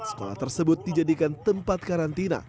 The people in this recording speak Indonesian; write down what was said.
sekolah tersebut dijadikan tempat karantina